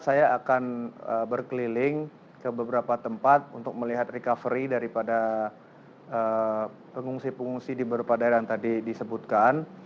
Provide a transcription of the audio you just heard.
saya akan berkeliling ke beberapa tempat untuk melihat recovery daripada pengungsi pengungsi di beberapa daerah yang tadi disebutkan